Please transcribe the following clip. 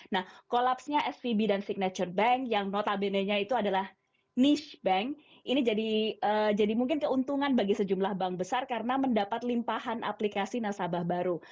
nah kolapsnya svb dan signature bank yang notabenenya itu adalah nish bank ini jadi mungkin keuntungan bagi sejumlah bank besar karena mendapat limpahan aplikasi nasabah baru